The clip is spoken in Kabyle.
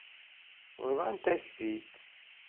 Bḍant-ak-t-id.